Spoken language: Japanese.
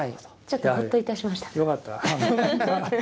ちょっとホッといたしました。